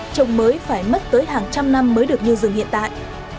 trồng mới phải mất tới hàng trăm năm mới được như rừng hiện tại